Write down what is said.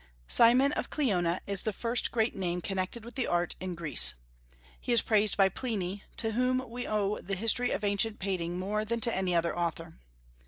Cimon of Cleona is the first great name connected with the art in Greece. He is praised by Pliny, to whom we owe the history of ancient painting more than to any other author.